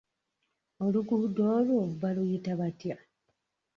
Oluguudo olwo baluyita batya?